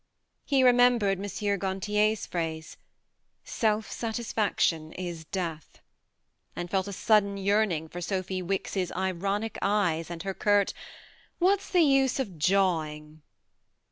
He remembered M. Gantier's phrase, "Self satisfaction is death," and felt a sudden yearning for Sophy Wicks's ironic eyes and her curt "What's the use of jawing